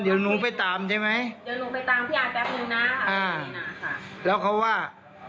เขาพยายามมาครับจะให้หนูกลับ